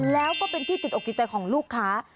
แล้วก็เป็นที่ติดอกติดใจของลูกค้า